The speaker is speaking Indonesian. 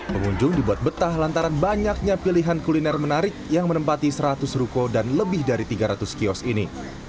pengunjung dibuat betah lantaran banyaknya pilihan kuliner menarik yang menempati seratus ruko dan lebih dari tiga ratus kios ini